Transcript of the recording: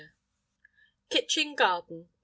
KITCHEN GARDEN.